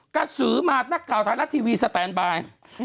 กระสือมานักข่าวไทยรัฐทีวีสแตนบาย